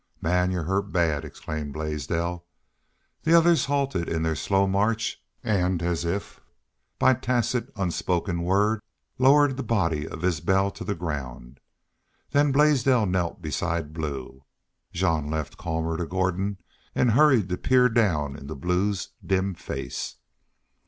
"Man! Y'u're hurt bad!" exclaimed Blaisdell. The others halted in their slow march and, as if by tacit, unspoken word, lowered the body of Isbel to the ground. Then Blaisdell knelt beside Blue. Jean left Colmor to Gordon and hurried to peer down into Blue's dim face.